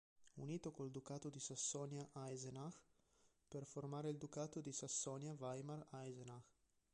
Unito col Ducato di Sassonia-Eisenach per formare il Ducato di Sassonia-Weimar-Eisenach